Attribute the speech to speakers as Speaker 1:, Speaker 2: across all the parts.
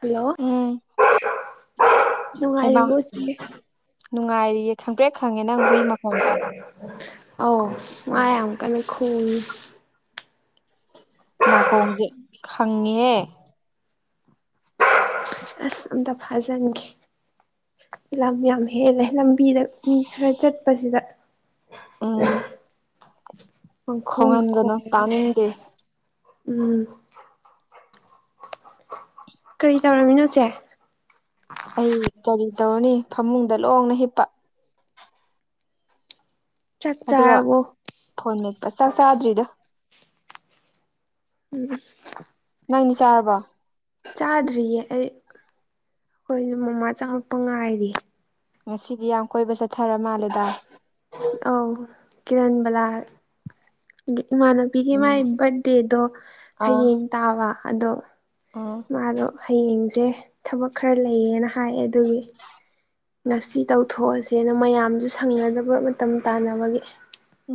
Speaker 1: Hello
Speaker 2: ꯎꯝ ꯍꯩꯃꯥ
Speaker 1: ꯅꯨꯡꯉꯥꯏꯔꯤꯕꯣ ꯆꯦ
Speaker 2: ꯅꯨꯡꯉꯥꯏꯔꯤꯌꯦ ꯈꯪꯄ꯭ꯔꯦꯛ ꯈꯪꯉꯦ ꯅꯪ ꯍꯨꯏ ꯃꯥꯈꯣꯟꯗꯣ
Speaker 1: ꯑ ꯃꯥꯏ ꯌꯥꯝꯅ ꯀꯪꯟꯅ ꯈꯣꯡꯏ
Speaker 2: ꯅꯥꯀꯣꯡꯁꯦ ꯈꯪꯉꯤꯍꯦ
Speaker 1: ꯑꯁ ꯑꯝꯇ ꯐꯥꯖꯟꯒꯦ ꯂꯝ ꯌꯥꯝ ꯍꯦꯜꯂꯦ ꯂꯝꯕꯤꯗ ꯃꯤ ꯈ꯭ꯔ ꯆꯠꯄꯥꯁꯤꯗ
Speaker 2: ꯎꯝ
Speaker 1: ꯃꯈꯈꯣꯡꯗ
Speaker 2: ꯈꯣꯡꯍꯟꯒꯅꯨ
Speaker 1: ꯈꯣꯡꯅ
Speaker 2: ꯇꯥꯅꯤꯡꯗꯦ
Speaker 1: ꯎꯝ ꯀꯔꯤ ꯇꯧꯔꯝꯃꯤꯅꯣꯁꯦ
Speaker 2: ꯑꯩ ꯀꯔꯤ ꯇꯧꯔꯅꯤ ꯐꯃꯨꯡꯗ ꯂꯣꯡꯅ ꯍꯤꯞꯄ
Speaker 1: ꯆꯥꯛ
Speaker 2: ꯑꯗꯨꯒ
Speaker 1: ꯆꯥꯔꯕꯣ
Speaker 2: ꯐꯣꯟ ꯃꯠꯄ ꯆꯥꯛ ꯆꯥꯗ꯭ꯔꯤꯗ
Speaker 1: ꯎꯝ
Speaker 2: ꯅꯪꯗꯤ ꯆꯥꯔꯕꯣ
Speaker 1: ꯆꯥꯗ꯭ꯔꯤꯌꯦ ꯑꯩ ꯑꯩꯈꯣꯏꯁꯨ ꯃꯃꯥ ꯆꯪꯉꯛꯄ ꯉꯥꯏꯔꯤ
Speaker 2: ꯉꯁꯤꯗꯤ ꯌꯥꯝ ꯀꯣꯏꯕ ꯆꯠꯊꯔ ꯃꯥꯜꯂꯦꯗ
Speaker 1: ꯑꯧ ꯀꯤꯔꯟꯕꯥꯂꯥ ꯏꯃꯥꯟꯅꯄꯤꯒꯤ
Speaker 2: ꯎꯝ
Speaker 1: ꯃꯥꯏ ꯕꯥꯔꯗꯦꯗꯣ ꯍꯌꯦꯡ ꯇꯥꯕ ꯑꯗꯣ
Speaker 2: ꯑꯣꯥ
Speaker 1: ꯃꯥꯗꯣ ꯍꯌꯦꯡꯖꯦ ꯊꯕꯛ ꯈꯔ ꯂꯩꯌꯦꯅ ꯍꯥꯏꯌꯦ ꯑꯗꯨꯒꯤ ꯉꯁꯤ ꯇꯧꯊꯣꯛꯑꯁꯦꯅ ꯃꯌꯥꯝꯁꯨ ꯁꯪꯅꯗꯕ ꯃꯇꯝ ꯇꯥꯟꯅꯕꯒꯤ
Speaker 2: ꯎ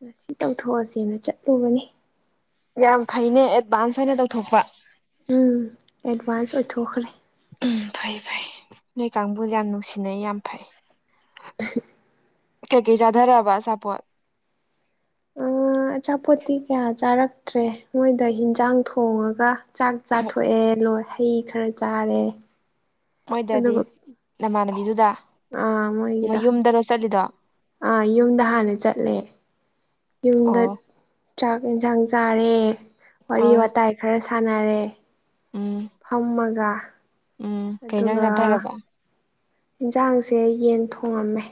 Speaker 1: ꯉꯥꯁꯤ ꯇꯧꯊꯣꯛꯑꯁꯦꯅ ꯆꯠꯂꯨꯕꯅꯦ
Speaker 2: ꯌꯥꯝ ꯐꯩꯅꯦ ꯑꯦꯗꯚꯥꯟꯁ ꯑꯣꯏꯅ ꯇꯧꯊꯣꯛꯄ
Speaker 1: ꯎꯝ ꯑꯦꯗꯚꯥꯟꯁ ꯑꯣꯏꯊꯣꯛꯈ꯭ꯔꯦ
Speaker 2: ꯎꯝ ꯐꯩ ꯐꯩ ꯅꯣꯏ ꯀꯥꯡꯕꯨ ꯌꯥꯝ ꯅꯨꯡꯁꯤꯅꯩ ꯌꯥꯝ ꯐꯩ
Speaker 1: [unintelligible]
Speaker 2: ꯀꯩꯀꯩ ꯆꯥꯗꯔꯑꯕ ꯑꯆꯥꯄꯣꯠ
Speaker 1: ꯑꯆꯥꯄꯣꯠꯇꯤ ꯀꯌꯥ ꯆꯥꯔꯛꯇ꯭ꯔꯦ ꯃꯣꯏꯗ ꯍꯟꯖꯥꯡ ꯊꯣꯡꯉꯒ ꯆꯥꯛ ꯆꯥꯊꯣꯛꯑꯦ ꯂꯣꯏ ꯍꯩ ꯈꯔ ꯆꯥꯔꯦ
Speaker 2: ꯃꯣꯏꯗꯥꯗꯤ
Speaker 1: ꯑꯗꯨꯒ
Speaker 2: ꯅꯃꯥꯟꯅꯕꯤꯗꯨꯗ ꯃꯣꯏ
Speaker 1: ꯃꯣꯏꯒꯤꯗ
Speaker 2: ꯌꯨꯝꯗꯥꯔꯣ ꯆꯠꯂꯤꯗꯣ
Speaker 1: ꯌꯨꯝꯗ ꯍꯥꯟꯅ ꯆꯠꯂꯦ ꯌꯨꯝꯗ
Speaker 2: ꯑꯣ
Speaker 1: ꯆꯥꯛ ꯌꯦꯟꯁꯥꯡ ꯆꯥꯔꯦ ꯋꯥꯔꯤ
Speaker 2: ꯑꯥ
Speaker 1: ꯋꯥꯇꯥꯏ ꯈꯔ ꯁꯥꯟꯅꯔꯦ
Speaker 2: ꯎꯝ
Speaker 1: ꯐꯝꯃꯒ
Speaker 2: ꯎꯝ ꯀꯩ ꯏꯟꯖꯥꯡ
Speaker 1: ꯑꯗꯨꯒ
Speaker 2: ꯆꯥꯊꯔꯕ
Speaker 1: ꯌꯦꯟꯁꯥꯡꯁꯦ ꯌꯦꯟ ꯊꯣꯡꯉꯝꯃꯦ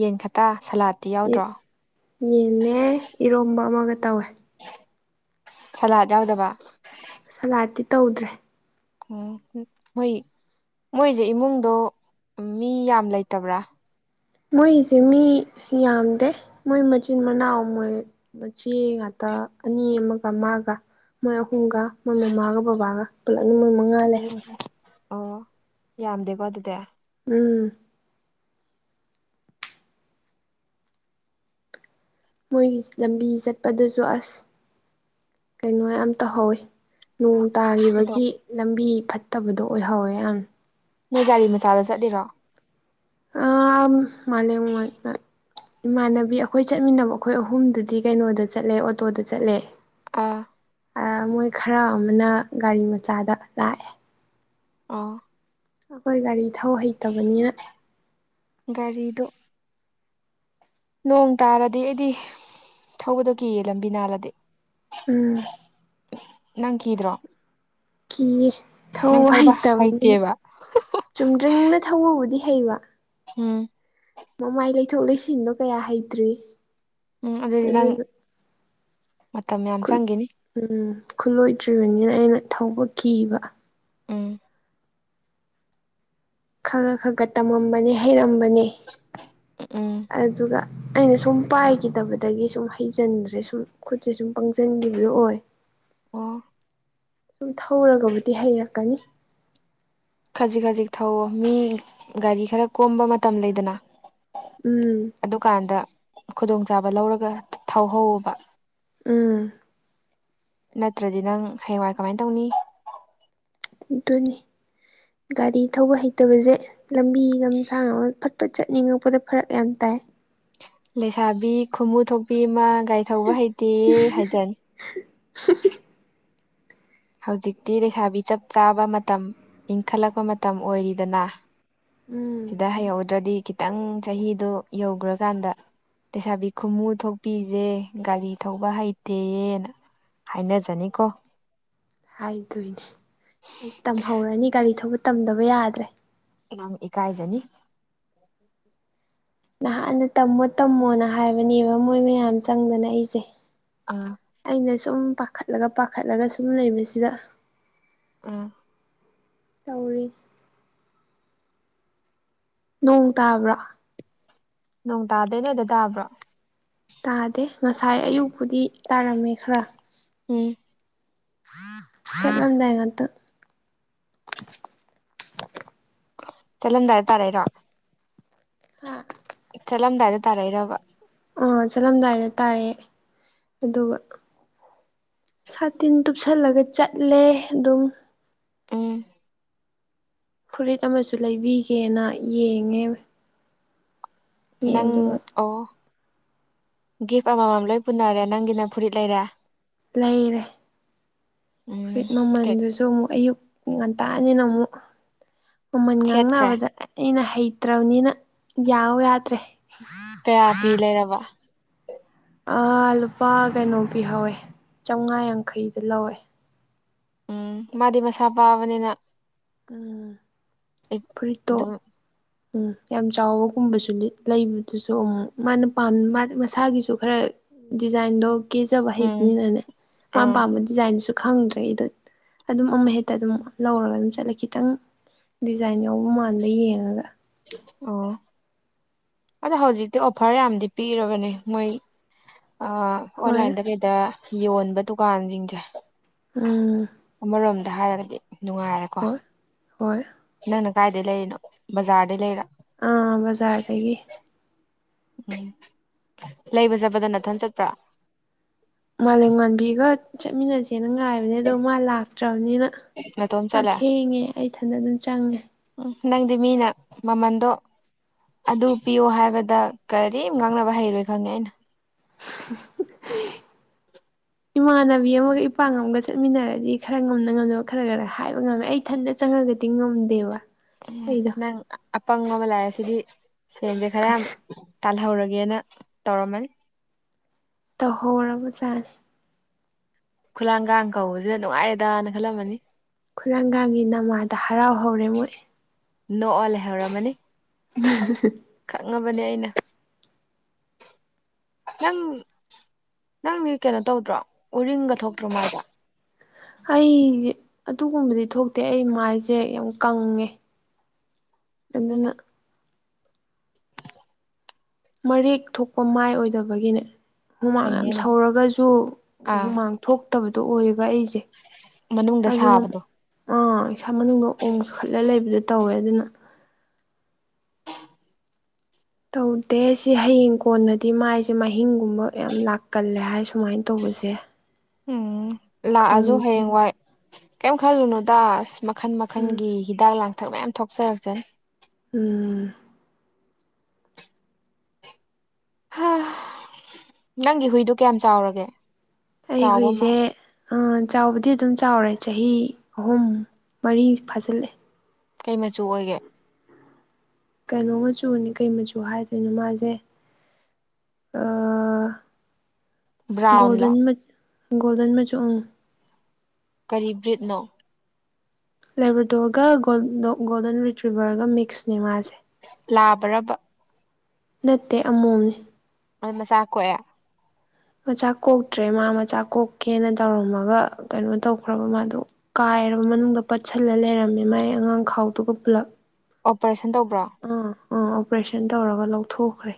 Speaker 2: ꯌꯦꯟꯈꯥꯠꯇ ꯁꯂꯥꯠ
Speaker 1: ꯌꯦꯟꯅꯦ ꯏꯔꯣꯝꯕ ꯑꯃꯒ ꯇꯧꯋꯦ
Speaker 2: ꯁꯣꯂꯥꯠ [unintelligible] ꯌꯥꯎꯗꯕ
Speaker 1: ꯁꯥꯂꯥꯠꯇꯤ ꯇꯧꯗ꯭ꯔꯦ
Speaker 2: ꯎ ꯃꯣꯏ ꯃꯣꯏꯁꯦ ꯏꯃꯨꯡꯗꯣ ꯃꯤ ꯌꯥꯝ ꯂꯩꯇꯕ꯭ꯔꯥ
Speaker 1: ꯃꯣꯏꯖꯦ ꯃꯤ ꯌꯥꯝꯗꯦ ꯃꯣꯏ ꯃꯥꯆꯤꯟ ꯃꯅꯥꯎ ꯃꯣꯏ ꯃꯆꯦ ꯉꯥꯛꯇ ꯑꯅꯤ ꯑꯃꯒ ꯃꯥꯒ ꯃꯣꯏ ꯑꯍꯨꯝꯒ ꯃꯣꯏ ꯃꯃꯥꯒ ꯕꯕꯥꯒ ꯄꯨꯜꯂꯛꯢ ꯃꫭꯏ ꯃꯉꯥ ꯂꯩꯍꯧꯋꯦ
Speaker 2: ꯑꯣ ꯌꯥꯝꯗꯦꯀꯣ ꯑꯗꯨꯗꯤ
Speaker 1: ꯎꯝ ꯃꯣꯏꯒꯤ ꯂꯝꯕꯤ ꯆꯠꯄꯗꯨꯁꯨ ꯑꯁ ꯀꯩꯅꯣ ꯌꯥꯝ ꯇꯧꯍꯧꯋꯤ ꯅꯣꯡ
Speaker 2: ꯑꯗꯣ
Speaker 1: ꯇꯥꯈꯤꯕꯒꯤ ꯂꯝꯕꯤ ꯐꯠꯇꯕꯥꯗꯣ ꯑꯣꯏꯍꯧꯋꯦ ꯌꯥꯝ
Speaker 2: ꯅꯣꯏ ꯒꯥꯔꯤ ꯃꯆꯥꯗ ꯆꯠꯂꯤꯔꯣ
Speaker 1: ꯑ ꯃꯥꯂꯦꯝ ꯏꯃꯥꯟꯅꯕꯤ ꯑꯩꯈꯣꯏ ꯆꯠꯃꯤꯟꯅꯕ ꯑꯩꯈꯣꯏ ꯑꯍꯨꯝꯗꯨꯗꯤ ꯀꯩꯅꯣꯗ ꯆꯠꯂꯦ ꯑꯣꯇꯣꯗ ꯆꯠꯂꯦ
Speaker 2: ꯑꯥ
Speaker 1: ꯃꯣꯏ ꯈꯔ ꯑꯃꯅ ꯒꯥꯔꯤ ꯃꯆꯥꯗ ꯂꯥꯛꯑꯦ
Speaker 2: ꯑꯥ
Speaker 1: ꯑꯩꯈꯣꯏ ꯒꯥꯔꯤ ꯊꯧ ꯍꯩꯇꯕꯅꯤꯅ
Speaker 2: ꯒꯥꯔꯤꯗꯨ ꯅꯣꯡ ꯇꯥꯔꯗꯤ ꯑꯩꯗꯤ ꯊꯧꯕꯗꯣ ꯀꯤ ꯌꯦꯜꯂꯝꯕꯤ ꯅꯥꯜꯂꯗꯤ
Speaker 1: ꯎꯝ
Speaker 2: ꯑꯦ ꯅꯪ ꯀꯤꯗ꯭ꯔꯣ
Speaker 1: ꯀꯤꯌꯦ
Speaker 2: ꯅꯪ
Speaker 1: ꯊꯧꯕ ꯍꯩꯇꯕꯅꯤꯅ
Speaker 2: ꯍꯩꯇꯦꯕ
Speaker 1: ꯆꯨꯝꯗ꯭ꯔꯤꯡꯅ ꯊꯧꯕꯕꯨꯗꯤ ꯍꯩꯕ
Speaker 2: ꯎꯝ
Speaker 1: ꯃꯃꯥꯏ ꯂꯩꯊꯣꯛ ꯂꯩꯁꯤꯟꯕꯣ ꯀꯌꯥ ꯍꯩꯇ꯭ꯔꯤ
Speaker 2: ꯎꯝ ꯑꯗꯨꯗꯤ ꯅꯪ
Speaker 1: ꯑꯗꯨꯅ
Speaker 2: ꯃꯇꯝ ꯌꯥꯝ ꯆꯪꯒꯤꯅꯤ
Speaker 1: ꯎꯝ ꯈꯨꯠꯂꯣꯏꯗ꯭ꯔꯤꯕꯥꯅꯤꯅ ꯑꯩꯅ ꯊꯧꯕ ꯀꯤꯕ
Speaker 2: ꯎꯝ
Speaker 1: ꯈꯔ ꯈ ꯒ ꯇꯝꯃꯝꯕꯅꯦ ꯍꯩꯔꯝꯕꯅꯦ
Speaker 2: ꯎꯝ
Speaker 1: ꯑꯗꯨꯒ ꯑꯩꯅ ꯁꯨꯝ ꯄꯥꯏꯈꯤꯗꯕꯗꯒꯤ ꯁꯨꯝ ꯍꯩꯖꯤꯟꯗ꯭ꯔꯦ ꯁꯨꯝ ꯈꯨꯠꯁꯦ ꯁꯨꯝ ꯄꯪꯁꯤꯟꯈꯤꯕ ꯑꯣꯏ
Speaker 2: ꯑꯣ
Speaker 1: ꯁꯨꯝ ꯊꯧꯔꯒꯥꯕꯨꯗꯤ ꯍꯩꯔꯛꯀꯅꯤ
Speaker 2: ꯈꯖꯤꯛ ꯈꯖꯤꯛ ꯊꯧꯑꯣ ꯃꯤ ꯒꯥꯔꯤ ꯈꯔ ꯀꯣꯝꯕ ꯃꯇꯝ ꯂꯩꯗꯅ
Speaker 1: ꯎꯝ
Speaker 2: ꯑꯗꯨꯀꯥꯟꯗ ꯈꯨꯗꯣꯡꯆꯥꯥꯕ ꯂꯧꯔꯒ ꯊꯧꯍꯧꯕ
Speaker 1: ꯎꯝ
Speaker 2: ꯅꯠꯇ꯭ꯔꯗꯤ ꯅꯪ ꯍꯥꯌꯦꯡꯋꯥꯏ ꯀꯃꯥꯏ ꯇꯧꯅꯤ
Speaker 1: ꯑꯗꯨꯅꯤ ꯒꯥꯔꯤ ꯊꯧꯕ ꯍꯩꯇꯕꯁꯦ ꯂꯝꯕꯤ ꯂꯝꯁꯥꯡ ꯑꯃ ꯐꯠ ꯐꯠ ꯆꯠꯅꯤꯡꯉꯛꯄꯗ ꯐꯔꯛ ꯌꯥꯝ ꯇꯥꯏ
Speaker 2: ꯂꯩꯁꯥꯕꯤ ꯈꯨꯃꯨ ꯊꯣꯛꯄꯤ ꯑꯃ ꯒꯥꯔꯤ ꯊꯧꯕ ꯍꯩꯇꯦꯌꯦ ꯍꯥꯏꯖꯔꯅꯤ
Speaker 1: [inaudible]
Speaker 2: ꯍꯧꯖꯤꯛꯇꯤ ꯂꯩꯁꯥꯕꯤ ꯆꯞ ꯆꯥꯕ ꯃꯇꯝ ꯏꯟꯈꯠꯂꯛꯄ ꯃꯇꯝ ꯑꯣꯏꯔꯤꯗꯅ
Speaker 1: ꯎꯝ
Speaker 2: ꯁꯤꯗ ꯍꯩꯍꯧꯗ꯭ꯔꯗꯤ ꯈꯤꯇꯪ ꯆꯍꯤꯗꯣ ꯌꯧꯈ꯭ꯔꯀꯥꯟꯗ ꯂꯩꯁꯥꯕꯤ ꯈꯨꯃꯨ ꯊꯣꯛꯄꯤꯖꯦ ꯒꯥꯔꯤ ꯊꯧꯕ ꯍꯩꯇꯦꯌꯦꯅ ꯍꯥꯏꯅꯖꯅꯤꯀꯣ
Speaker 1: ꯍꯥꯏꯗꯣꯏꯅꯦ ꯑꯩ ꯇꯝꯍꯧꯔꯅꯤ ꯒꯥꯔꯤ ꯊꯧꯕ ꯇꯝꯗꯕ ꯌꯥꯗ꯭ꯔꯦ
Speaker 2: ꯅꯪ ꯏꯀꯥꯏꯖꯅꯤ [unintelligible]
Speaker 1: ꯅꯍꯥꯟꯅ ꯇꯝꯃꯣ ꯇꯝꯃꯣꯅ ꯍꯥꯏꯕꯅꯦꯕ ꯃꯣꯏ ꯃꯌꯥꯝ ꯆꯪꯗꯅ ꯑꯩꯁꯦ
Speaker 2: ꯑꯥ
Speaker 1: ꯑꯩꯅ ꯁꯨꯝ ꯄꯥꯈꯠꯂꯒ ꯄꯥꯈꯠꯂꯒ ꯁꯨꯝ ꯂꯩꯕꯁꯤꯗ
Speaker 2: ꯎꯝ
Speaker 1: ꯇꯧꯔꯤ ꯅꯣꯡ ꯇꯕ꯭ꯔꯣ
Speaker 2: ꯅꯣꯡ ꯇꯥꯗ ꯅꯣꯏꯗ ꯇꯕ꯭ꯔꯣ
Speaker 1: ꯇꯥꯗꯦ ꯉꯁꯥꯏ ꯑꯌꯨꯛꯄꯨꯗꯤ ꯇꯥꯔꯝꯃꯦ ꯈꯔ
Speaker 2: ꯎꯝ
Speaker 1: ꯆꯝꯗꯒꯇ
Speaker 2: ꯆꯠꯂꯝꯗꯥꯏ ꯍꯥꯏꯇꯥꯔꯦꯔꯣ
Speaker 1: ꯍꯥ
Speaker 2: ꯆꯠꯂꯝꯗꯥꯏꯗ ꯇꯥꯔꯩꯔꯕ
Speaker 1: ꯑꯥ ꯆꯠꯂꯝꯗꯥꯏꯗ ꯇꯥꯔꯦ ꯑꯗꯨꯒ ꯁꯥ ꯇꯤꯟ ꯇꯨꯞꯁꯜꯂꯒ ꯆꯠꯂꯦ ꯑꯗꯨꯝ
Speaker 2: ꯎꯝ
Speaker 1: ꯐꯨꯔꯤꯠ ꯑꯃꯁꯨ ꯂꯩꯕꯤꯒꯦꯅ ꯌꯦꯡꯉꯦ
Speaker 2: ꯅꯪ
Speaker 1: ꯌꯦꯡꯗꯨꯒ
Speaker 2: ꯑꯣ ꯒꯤꯐ ꯑꯃꯃꯝ ꯂꯣꯏ ꯄꯨꯟꯅꯔꯦ ꯅꯪꯒꯤ ꯅꯪ ꯐꯨꯔꯤꯠ ꯂꯩꯔꯦ
Speaker 1: ꯂꯩꯔꯦ
Speaker 2: ꯎꯝ
Speaker 1: ꯐꯨꯔꯤꯠ
Speaker 2: ꯀꯦꯛ
Speaker 1: ꯃꯃꯜꯗꯨꯁꯨ ꯑꯃꯨꯛ ꯑꯌꯨꯛ ꯉꯟꯇꯥꯅꯤꯅ ꯑꯃꯨꯛ ꯃꯃꯟ
Speaker 2: ꯁꯦꯠꯈ꯭ꯔꯦ
Speaker 1: ꯉꯥꯡꯅꯕꯗ ꯑꯩꯅ ꯍꯩꯇ꯭ꯔꯕꯅꯤꯅ ꯌꯥꯎ ꯌꯥꯗ꯭ꯔꯦ
Speaker 2: ꯀꯌꯥ ꯄꯤ ꯂꯩꯔꯕ
Speaker 1: ꯂꯨꯄꯥ ꯀꯩꯅꯣ ꯄꯤꯍꯧꯋꯦ ꯆꯝꯃꯉꯥ ꯌꯥꯡꯈꯩꯗ ꯂꯧꯋꯦ
Speaker 2: ꯎꯝ ꯃꯥꯗꯤ ꯃꯁꯥ ꯄꯥꯕꯅꯤꯅ
Speaker 1: ꯎ ꯐ꯭ꯔꯤꯇꯣ
Speaker 2: ꯑꯗꯨꯝ
Speaker 1: ꯎꯝ ꯌꯥꯝ ꯆꯥꯎꯕꯒꯨꯝꯕꯁꯨ ꯂꯩꯕꯗꯨꯁꯨ ꯎꯝ ꯃꯥꯅꯝ ꯃꯁꯥꯒꯤꯁꯨ ꯈꯔ ꯗꯤꯖꯥꯏꯟꯗꯣ ꯀꯦꯖꯕ
Speaker 2: ꯎꯝ
Speaker 1: ꯍꯩꯕꯅꯤꯅꯅꯦ ꯃꯥꯅ
Speaker 2: ꯑꯥ
Speaker 1: ꯄꯥꯝꯕ ꯗꯤꯖꯥꯏꯟꯁꯨ ꯈꯪꯗ꯭ꯔꯦ ꯑꯩꯗꯣ ꯑꯗꯨꯝ ꯑꯃꯍꯦꯛꯇ ꯑꯗꯨꯝ ꯂꯧꯔꯒ ꯑꯗꯨꯝ ꯆꯠꯂꯀꯦ ꯈꯤꯇꯪ ꯗꯤꯖꯥꯏꯟ ꯌꯥꯎꯕ ꯃꯥꯟꯕ ꯌꯦꯡꯉꯒ
Speaker 2: ꯑꯣ ꯑꯗꯣ ꯍꯧꯖꯤꯛꯇꯤ ꯑꯣꯐꯔ ꯌꯥꯝꯗꯤ ꯄꯤꯔꯕꯅꯦ ꯃꯣꯏ
Speaker 1: ꯍꯣꯏ
Speaker 2: ꯑꯣꯟꯂꯥꯏꯟꯗ ꯀꯩꯗ ꯌꯣꯟꯕ ꯗꯨꯀꯥꯟꯁꯤꯡꯁꯦ
Speaker 1: ꯎꯝ
Speaker 2: ꯑꯃꯔꯣꯝꯗ ꯍꯥꯏꯔꯒꯗꯤ ꯅꯨꯡꯉꯥꯏꯔꯦꯀꯣ
Speaker 1: ꯍꯣꯏ ꯍꯣꯏ
Speaker 2: ꯅꯪꯅ ꯀꯥꯏꯗꯩ ꯂꯩꯔꯤꯅꯣ ꯕꯖꯥꯔꯗꯩ ꯂꯩꯔ
Speaker 1: ꯑꯥ ꯕꯖꯥꯔꯗꯒꯤ
Speaker 2: ꯎꯝ ꯂꯩꯕ ꯆꯠꯄꯗ ꯅꯊꯟ ꯆꯠꯄ꯭ꯔꯥ
Speaker 1: ꯃꯥꯂꯦꯝ ꯃꯥꯟꯕꯤꯒ ꯆꯠꯃꯤꯟꯅꯁꯦꯅ ꯉꯥꯏꯔ ꯑꯗꯣ ꯃꯥ ꯂꯥꯛꯇ꯭ꯔꯕꯅꯤꯅ
Speaker 2: ꯅꯇꯣꯝ
Speaker 1: ꯃꯥ
Speaker 2: ꯆꯠꯂꯦ
Speaker 1: ꯊꯦꯡꯉꯦ ꯑꯩ ꯏꯊꯟꯗ ꯑꯗꯨꯝ ꯆꯪꯉꯦ
Speaker 2: ꯎ ꯅꯪꯗꯤ ꯃꯤꯅ ꯃꯃꯟꯗꯣ ꯑꯗꯨ ꯄꯤꯌꯣ ꯍꯥꯏꯕꯗ ꯀꯔꯤꯝ ꯉꯥꯡꯅꯕ ꯍꯩꯔꯣꯏ ꯈꯪꯉꯦ ꯑꯩꯅ
Speaker 1: [unintelligible] ꯏꯃꯥꯟꯅꯕꯤ ꯑꯃꯒ ꯏꯄꯥꯛꯒ ꯑꯃꯒ ꯆꯠꯃꯤꯟꯅꯔꯗꯤ ꯈꯔ ꯉꯝꯅ ꯉꯝꯅꯕ ꯈꯔ ꯈꯔ ꯍꯥꯏꯕ ꯉꯝꯃꯦ ꯑꯩ ꯏꯊꯟꯇ ꯆꯪꯉꯒꯗꯤ ꯉꯝꯗꯦꯕ
Speaker 2: ꯎꯝ
Speaker 1: ꯑꯩꯗꯣ
Speaker 2: ꯅꯪ ꯑꯄꯪ ꯑꯃ ꯂꯥꯛꯑꯦ ꯁꯤꯗꯤ ꯁꯦꯟꯁꯦ ꯈꯔ ꯌꯥꯝ ꯇꯥꯜꯍꯧꯔꯒꯦꯅ ꯇꯧꯔꯝꯃꯅꯤ
Speaker 1: ꯇꯧꯍꯧꯔꯕꯖꯥꯠꯅꯤ
Speaker 2: ꯈꯨꯂꯥꯡꯒ ꯀꯧꯕꯁꯤꯗ ꯅꯨꯡꯉꯥꯏꯔꯦꯗꯅ ꯈꯜꯂꯝꯃꯅꯤ
Speaker 1: ꯈꯨꯔꯪꯒꯒꯤ ꯅꯃꯥꯗ ꯍꯔꯥꯎ ꯍꯧꯔꯦ ꯃꯣꯏ
Speaker 2: ꯅꯣ ꯑꯣꯜ ꯍꯦꯔꯥ ꯑꯃꯅꯤꯅꯤ
Speaker 1: ꯎꯝ
Speaker 2: ꯈꯪꯉꯕꯅꯦ ꯑꯩꯅ ꯅꯪ ꯅꯪꯗꯤ ꯀꯩꯅꯣ ꯇꯧꯗ꯭ꯔꯣ ꯎꯔꯤꯡꯒ ꯊꯣꯛꯇ꯭ꯔꯣ ꯃꯕꯣ
Speaker 1: ꯑꯩꯁꯦ ꯑꯗꯨꯒꯨꯝꯕꯗꯤ ꯊꯣꯛꯇꯦ ꯑꯩ ꯃꯥꯏꯁꯦ ꯌꯥꯝ ꯀꯪꯉꯦ ꯑꯗꯨꯅ ꯃꯔꯦꯛ ꯊꯣꯛꯄ ꯃꯥꯏ ꯑꯣꯏꯗꯕꯒꯤꯅꯦ ꯍꯨꯃꯥꯡ
Speaker 2: ꯐꯩꯅꯦ
Speaker 1: ꯌꯥꯝ
Speaker 2: ꯑꯗꯨꯗꯤ
Speaker 1: ꯁꯧꯔꯒꯁꯨ
Speaker 2: ꯑꯥ
Speaker 1: ꯍꯨꯃꯥꯡ ꯊꯣꯛꯇꯕꯗꯣ ꯑꯣꯏꯌꯦꯕ ꯑꯩꯁꯦ
Speaker 2: ꯃꯅꯨꯡꯗ
Speaker 1: ꯑꯗꯨꯅ
Speaker 2: ꯁꯥꯕꯗꯣ
Speaker 1: ꯑꯥ ꯏꯁꯥ ꯃꯅꯨꯡꯗ ꯑꯣꯝꯈꯠꯂ ꯂꯩꯕꯗꯣ ꯇꯧꯋꯦ ꯑꯗꯨꯅ
Speaker 2: [unintelligible]
Speaker 1: ꯇꯧꯗꯦ ꯁꯤ ꯍꯌꯦꯡ ꯀꯣꯟꯅꯗꯤ ꯃꯥꯏꯁꯦ ꯃꯍꯤꯡꯒꯨꯝꯕ ꯌꯥꯝ ꯂꯥꯛꯀꯜꯂꯦ ꯍꯥꯏ ꯁꯨꯃꯥꯏꯅ ꯇꯧꯕꯁꯦ
Speaker 2: ꯎꯝ ꯂꯥꯛꯑꯁꯨ
Speaker 1: ꯈꯪꯗꯦ
Speaker 2: ꯍꯌꯦꯡꯋꯥꯏ ꯀꯩꯝ ꯈꯜꯂꯨꯅꯨꯇ ꯃꯈꯟ
Speaker 1: ꯎꯝ
Speaker 2: ꯃꯈꯟꯒꯤ ꯍꯤꯗꯥꯛ ꯂꯥꯡꯊꯛ ꯃꯌꯥꯝ ꯊꯣꯛꯆꯔꯛꯆꯅꯤ
Speaker 1: ꯎꯝ
Speaker 2: ꯅꯪꯒꯤ ꯍꯨꯏꯗꯨꯣ ꯀꯌꯥꯝ ꯆꯥꯎꯔꯒꯦ
Speaker 1: ꯑꯩ
Speaker 2: ꯆꯥꯎꯕ
Speaker 1: ꯍꯨꯏꯁꯦ
Speaker 2: ꯃꯥꯜꯂꯦ
Speaker 1: ꯆꯥꯎꯕꯗꯤ ꯑꯗꯨꯝ ꯆꯥꯎꯔꯦ ꯆꯍꯤ ꯑꯍꯨꯝ ꯃꯔꯤ ꯐꯥꯖꯤꯜꯂꯑꯦ
Speaker 2: ꯀꯩ ꯃꯆꯨ ꯑꯣꯏꯒꯦ
Speaker 1: ꯀꯩꯅꯣ ꯃꯆꯨꯅꯤ ꯀꯩ ꯃꯆꯨ ꯍꯥꯏꯗꯣꯏꯅꯣ ꯃꯥꯁꯦ
Speaker 2: ꯕ꯭ꯔꯥꯎꯟꯂꯣ
Speaker 1: ꯒꯣꯜꯗꯟ ꯒꯣꯜꯗꯟ ꯃꯆꯨ ꯎꯝ
Speaker 2: ꯀꯔꯤꯔꯤꯕ ꯕ꯭ꯔꯤꯠꯅꯣ
Speaker 1: ꯂꯦꯕꯦꯇꯣꯔꯒ ꯒꯣꯜꯗꯟ ꯔꯤꯇ꯭ꯔꯤꯕꯔꯒ ꯃꯤꯛꯁꯅꯦ ꯃꯥꯁꯦ
Speaker 2: ꯂꯥꯕꯔꯕ
Speaker 1: ꯅꯠꯇꯦ ꯑꯃꯣꯝꯅꯤ
Speaker 2: ꯑꯗꯨꯗꯤ ꯃꯆꯥ ꯀꯣꯛꯌꯦ
Speaker 1: ꯃꯆꯥ ꯀꯣꯛꯇ꯭ꯔꯦ ꯃꯥ ꯃꯆꯥ ꯀꯣꯛꯀꯦꯅ ꯇꯧꯔꯝꯃꯒ ꯀꯩꯅꯣ ꯇꯧꯈ꯭ꯔꯕ ꯃꯥꯗꯣ ꯀꯥꯏꯔꯕ ꯃꯅꯨꯡꯗ ꯄꯠꯁꯤꯜꯂ ꯂꯩꯔꯝꯃꯦ ꯃꯥꯏ ꯑꯉꯥꯡ ꯈꯥꯎꯗꯨꯒ ꯄꯨꯂꯞ
Speaker 2: ꯑꯣꯄꯔꯦꯁꯟ ꯇꯧꯕ꯭ꯔꯣ
Speaker 1: ꯎꯝ ꯎꯝ ꯑꯣꯄꯔꯦꯁꯟ ꯇꯧꯔꯒ ꯂꯧꯊꯣꯛꯈ꯭ꯔꯦ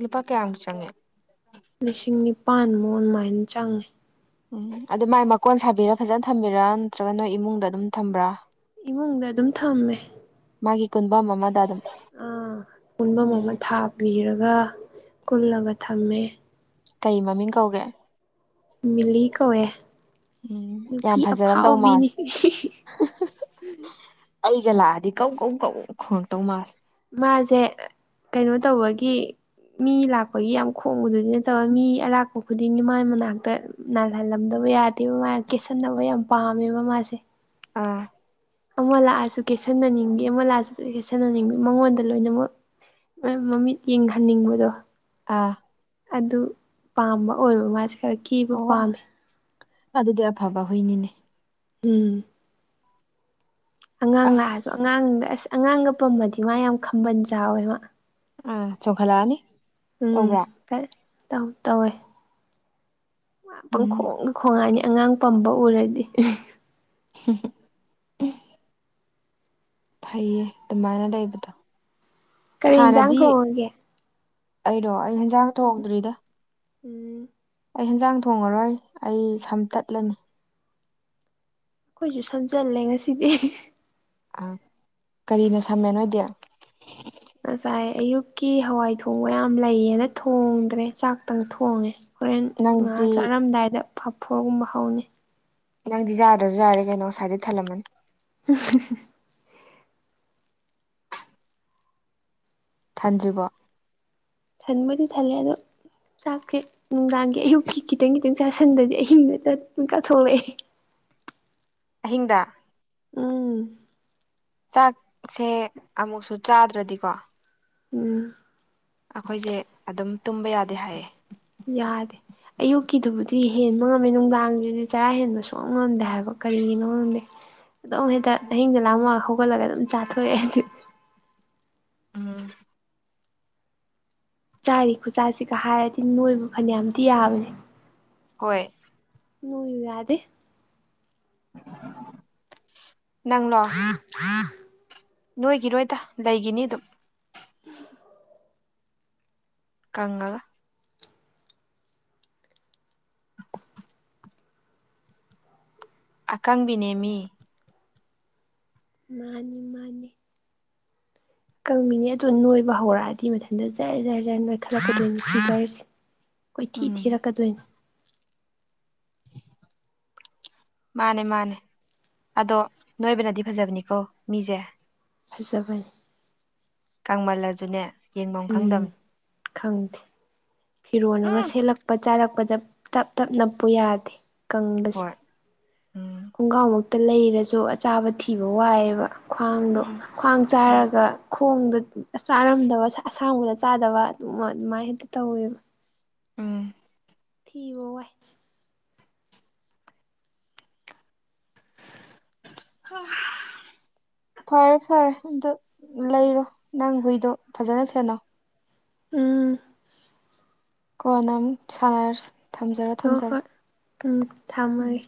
Speaker 2: ꯂꯨꯄꯥ ꯀꯩꯌꯥ ꯃꯨꯛ ꯆꯪꯉꯤ
Speaker 1: ꯂꯤꯁꯤꯡ ꯅꯤꯄꯥꯟ ꯃꯨꯛ ꯑꯗꯨꯃꯥꯏꯅ ꯆꯪꯉꯦ
Speaker 2: ꯎꯝ ꯑꯗꯨ ꯃꯥꯏ ꯃꯀꯣꯟ ꯁꯥꯕꯤꯔ ꯐꯖꯅ ꯊꯝꯕꯤꯔ ꯅꯠꯇ꯭ꯔꯒ ꯅꯣꯏ ꯏꯃꯨꯡꯗ ꯑꯗꯨꯝ ꯊꯝꯕ꯭ꯔꯥ
Speaker 1: ꯏꯃꯨꯡꯗ ꯑꯗꯨꯝ ꯊꯝꯃꯦ
Speaker 2: ꯃꯥꯒꯤ ꯀꯨꯟꯐꯝ ꯑꯃꯗ ꯑꯗꯨꯝ
Speaker 1: ꯀꯨꯟꯐꯝ ꯑꯃ
Speaker 2: ꯎꯝ
Speaker 1: ꯊꯥꯕꯤꯔꯒ ꯀꯨꯜꯂꯒ ꯊꯝꯃꯦ
Speaker 2: ꯀꯩ ꯃꯃꯤꯡ ꯀꯧꯒꯦ
Speaker 1: ꯃꯤꯂꯤ ꯒꯧꯋꯦ
Speaker 2: ꯎꯝ
Speaker 1: ꯅꯨꯄꯤ
Speaker 2: ꯌꯥꯝ ꯐꯖꯔꯝꯗꯧ
Speaker 1: ꯑꯐꯥꯎꯕꯤꯅꯤ
Speaker 2: ꯃꯥꯜꯂꯦ ꯑꯩꯒ ꯂꯥꯛꯑꯗꯤ ꯀꯧ ꯀꯧ ꯀꯧ ꯈꯣꯡꯉꯛꯇꯧ ꯃꯥꯜꯂꯦ
Speaker 1: ꯃꯥꯁꯦ ꯀꯩꯅꯣ ꯇꯧꯕꯒꯤ ꯃꯤ ꯂꯥꯛꯄꯒꯤ ꯌꯥꯝ ꯈꯣꯡꯕꯗꯨꯗꯤ ꯅꯠꯇꯕ ꯃꯤ ꯑꯔꯥꯛꯄ ꯈꯨꯗꯤꯡꯒꯤ ꯃꯥꯏ ꯃꯅꯥꯛꯇ ꯅꯥꯜꯍꯜꯂꯝꯗꯕ ꯌꯥꯗꯦꯕ ꯃꯥꯅ ꯀꯦꯠꯁꯟꯅꯕ ꯌꯥꯝ ꯄꯥꯝꯃꯦꯕ ꯃꯥꯁꯦ
Speaker 2: ꯑꯥ
Speaker 1: ꯑꯃ ꯂꯥꯛꯑꯁꯨ ꯀꯩꯁꯤꯟꯅꯅꯤꯡꯗꯦ ꯑꯃ ꯂꯥꯛꯑꯁꯨ ꯀꯩꯁꯤꯟꯅꯅꯤꯡꯗꯦ ꯃꯉꯣꯟꯗ ꯂꯣꯏꯅꯃꯛ ꯃꯥꯢ ꯃꯃꯤꯠ ꯌꯦꯡꯍꯟꯅꯤꯡꯕꯗꯣ
Speaker 2: ꯑꯥ꯫
Speaker 1: ꯑꯗꯨ ꯄꯥꯝꯕ ꯑꯣꯏꯕ ꯃꯥꯁꯦ ꯈꯔ ꯀꯦꯕ
Speaker 2: ꯑꯣ
Speaker 1: ꯄꯥꯝꯃꯦ꯫
Speaker 2: ꯑꯗꯨꯗꯤ ꯑꯐꯕ ꯍꯨꯏꯅꯤꯅꯦ
Speaker 1: ꯎꯝ꯫ ꯑꯉꯥꯡ
Speaker 2: ꯑꯁ
Speaker 1: ꯂꯥꯛꯑꯁꯨ ꯑꯉꯥꯡꯗ ꯑꯁ ꯑꯉꯥꯡꯒ ꯄꯝꯃꯗꯤ ꯃꯥ ꯌꯥꯝ ꯈꯝꯕꯜ ꯆꯥꯎꯋꯦ ꯃꯥ
Speaker 2: ꯑꯥ ꯆꯣꯛꯈꯠꯂꯛꯑꯅꯤ꯫
Speaker 1: ꯎꯝ ꯀ ꯇꯧ ꯇꯧꯋꯦ
Speaker 2: ꯎꯝ
Speaker 1: ꯄꯪꯈꯣꯡꯗ ꯈꯣꯡꯉꯅꯤ ꯑꯉꯥꯡ ꯄꯝꯕ ꯎꯔꯗꯤ꯫
Speaker 2: ꯁ ꯐꯩꯌꯦ ꯑꯗꯨꯃꯥꯏꯅ ꯂꯩꯕꯗꯣ
Speaker 1: ꯀꯔꯤ ꯌꯦꯟꯁꯥꯡ
Speaker 2: ꯍꯥꯟꯅꯗꯤ
Speaker 1: ꯊꯣꯡꯉꯒꯦ
Speaker 2: ꯑꯩꯩꯅꯣ ꯑꯩ ꯍꯟꯖꯥꯡ
Speaker 1: ꯎꯝ
Speaker 2: ꯊꯣꯡꯗ꯭ꯔꯤꯗ
Speaker 1: ꯎꯝ
Speaker 2: ꯑꯩ ꯍꯦꯟꯖꯥꯡ ꯊꯣꯡꯉꯔꯣꯏ ꯑꯩ ꯁꯝꯇꯠꯂꯅꯤ
Speaker 1: ꯑꯩꯈꯣꯏꯁꯨ ꯁꯝꯖꯜꯂꯦ ꯉꯁꯤꯗꯤ
Speaker 2: ꯑ ꯀꯔꯤꯅ ꯁꯝꯃꯦ ꯅꯣꯏꯗꯤ꯫
Speaker 1: ꯉꯁꯥꯏ ꯑꯌꯨꯛꯀꯤ ꯍꯋꯥꯏ ꯊꯣꯡꯕ ꯌꯥꯝ ꯂꯩꯌꯦꯅ ꯊꯣꯡꯗ꯭ꯔꯦ ꯆꯥꯛꯇꯪ ꯊꯣꯡꯉꯦ ꯍꯣꯔꯦꯟ ꯉꯥ
Speaker 2: ꯅꯪꯗꯤ
Speaker 1: ꯆꯥꯔꯝꯗꯥꯏꯗ ꯐꯐꯣꯔꯒꯨꯝꯕ ꯍꯧꯅꯤ
Speaker 2: ꯅꯪꯗꯤ ꯌꯥꯗ꯭ꯔꯁꯨ ꯌꯥꯔꯦ ꯀꯩꯅꯣ ꯉꯁꯥꯏꯗꯩ ꯊꯜꯂꯝꯃꯅꯤ
Speaker 1: ꯎ
Speaker 2: ꯊꯥꯟꯗꯔꯤꯕꯣ
Speaker 1: ꯊꯟꯕꯨꯗꯤ ꯊꯜꯂꯦ ꯑꯗꯣ ꯆꯥꯛꯁꯦ ꯅꯨꯡꯗꯥꯡꯒꯤ ꯑꯌꯨꯛꯀꯤ ꯈꯤꯇꯪ ꯈꯤꯇꯪ ꯆꯥꯁꯤꯟꯗꯗꯤ ꯑꯍꯤꯡꯗ ꯃꯤꯀꯥꯞ ꯊꯣꯛꯂꯛꯏ
Speaker 2: ꯑꯍꯤꯡꯗ꯫
Speaker 1: ꯎꯝ
Speaker 2: ꯆꯥꯛꯁꯦ ꯑꯃꯨꯛꯁꯨ ꯆꯥꯗ꯭ꯔꯗꯤꯀꯣ
Speaker 1: ꯎꯝ
Speaker 2: ꯑꯩꯈꯣꯏꯁꯦ ꯑꯗꯨꯝ ꯇꯨꯝꯕ ꯌꯥꯗꯦ ꯍꯥꯏꯌꯦ
Speaker 1: ꯌꯥꯗꯦ ꯑꯌꯨꯛꯀꯤꯗꯨꯕꯨꯗꯤ ꯍꯦꯟꯕ ꯉꯝꯃꯦ ꯅꯨꯡꯗꯥꯡꯁꯤꯗꯤ ꯆꯔꯥ ꯍꯦꯟꯕ ꯁꯨꯡꯉꯝ ꯉꯝꯗꯦ ꯍꯥꯏꯕ ꯀꯔꯤꯒꯤꯅꯣ ꯈꯪꯗꯦ ꯑꯗꯨꯝ ꯍꯦꯛꯇ ꯑꯍꯤꯡꯗ ꯂꯥꯡꯃꯑꯒ ꯍꯧꯒꯠꯂꯒ ꯑꯗꯨꯝ ꯆꯥꯊꯣꯛꯑꯦ ꯑꯩꯗꯤ
Speaker 2: ꯎꯝ꯫
Speaker 1: ꯆꯥꯔꯤ ꯈꯨꯆꯥꯁꯤꯒ ꯍꯥꯏꯔꯗꯤ ꯅꯣꯏꯕ ꯐꯅꯌꯥꯝꯗꯤ ꯌꯥꯕꯅꯦ꯫
Speaker 2: ꯍꯣꯏ
Speaker 1: ꯅꯣꯏꯨ ꯌꯥꯗꯦ
Speaker 2: ꯅꯪꯂꯂꯣ ꯅꯣꯏꯒꯤꯔꯣꯏꯗ ꯂꯩꯈꯤꯅꯤ ꯑꯗꯨꯝ꯫
Speaker 1: ꯎ
Speaker 2: ꯀꯪꯒꯥ ꯑꯀꯥꯡꯕꯤꯅꯦꯃꯤ
Speaker 1: ꯃꯥꯅꯤ ꯃꯥꯅꯤ ꯀꯪꯃꯤꯅꯦ ꯑꯗꯨ ꯅꯣꯏꯕ ꯍꯧꯔꯛꯑꯗꯤ ꯃꯊꯟꯇ ꯖꯔ ꯖꯔ ꯖꯔ ꯅꯣꯏꯈꯜꯂꯛꯄꯗꯖꯔꯁꯦ ꯀꯣꯏꯊꯤ
Speaker 2: ꯎꯝ
Speaker 1: ꯊꯤꯔꯛꯀꯗꯣꯏꯅꯦ꯫ [inaudible]
Speaker 2: ꯃꯥꯅꯦ ꯃꯥꯅꯦ ꯑꯗꯣ ꯅꯣꯏꯕꯅꯗꯤ ꯐꯖꯕꯅꯤꯀꯣ ꯃꯤꯁꯦ꯫
Speaker 1: ꯍꯥꯏꯖꯕꯩ꯫
Speaker 2: ꯀꯪꯃꯜꯂꯖꯨꯅꯦ꯫
Speaker 1: ꯎꯝ ꯈꯪꯗꯦ ꯐꯤꯔꯣꯜ ꯑꯃ ꯁꯦꯠꯂꯛꯄ ꯆꯥꯔꯛꯄꯗ ꯇꯞ ꯇꯞ ꯅꯞꯄꯨ ꯌꯥꯗꯦ ꯀꯪꯕꯁꯤ
Speaker 2: ꯍꯣꯏ ꯎꯝ
Speaker 1: ꯈꯣꯡꯒ꯭ꯔꯥꯎꯃꯨꯛꯇ ꯂꯩꯔꯁꯨ ꯑꯆꯥꯕ ꯊꯤꯕ ꯋꯥꯏꯑꯦꯕ ꯈ꯭ꯋꯥꯡꯗꯣ
Speaker 2: ꯎꯝ
Speaker 1: ꯈ꯭ꯋꯥꯡ
Speaker 2: ꯎꯝ
Speaker 1: ꯆꯥꯔꯒ ꯈꯣꯡꯗ ꯆꯥꯔꯝꯗꯕ ꯑꯁꯥꯡꯕꯗ꯫ ꯆꯥꯗꯕ ꯑꯗꯨ ꯑꯗꯨꯃꯥꯏꯅ ꯍꯦꯛꯇ ꯇꯧꯋꯦꯕ꯫
Speaker 2: ꯎꯝ
Speaker 1: ꯊꯕꯏ
Speaker 2: ꯍ ꯐꯔꯦ ꯐꯔꯦ ꯑꯗꯨ ꯂꯩꯔꯣ ꯅꯪ ꯍꯨꯏꯗꯣ ꯐꯖꯅ ꯁꯦꯟꯅꯣ
Speaker 1: ꯑꯥ
Speaker 2: ꯀꯣ ꯅꯪ ꯁꯥꯟꯅꯔꯁꯤ ꯊꯝꯖꯔꯣ
Speaker 1: ꯍꯣꯏ
Speaker 2: ꯊꯝꯖꯔꯣ
Speaker 1: ꯍꯣꯏ ꯎꯝ
Speaker 2: ꯎꯝ
Speaker 1: ꯊꯝꯃꯒꯦ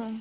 Speaker 2: ꯎꯝ꯫